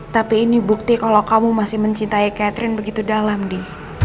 tapi ini bukti kalau kamu masih mencintai catherine begitu dalam di